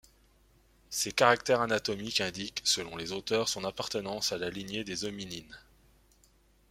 Ces caractères anatomiques indiquent, selon les auteurs, son appartenance à la lignée des hominines.